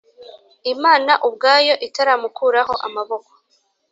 imana ubwayo itaramukuraho amaboko.